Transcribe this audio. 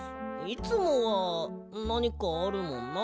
いつもはなにかあるもんな。